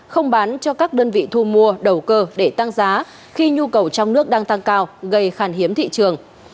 không bán cho các đơn vị thu mua đầu cơ để tăng giá khi nhu cầu trong nước đang tăng cao gây khan hiếm thị trường